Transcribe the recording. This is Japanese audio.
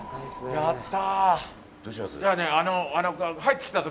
やった。